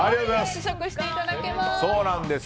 試食していただけます。